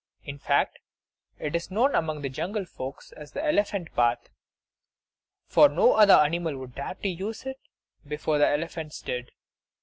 In fact, it is known among the jungle folks as the Elephant Path; for no other animal would dare to use it before the elephants did.